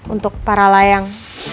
untuk para layang